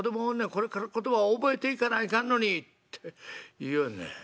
これから言葉覚えていかないかんのに』って言いよんねん。